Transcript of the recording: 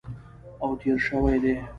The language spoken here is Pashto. او تېر شوي دي